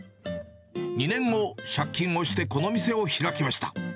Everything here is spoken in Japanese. ２年後、借金をしてこの店を開きました。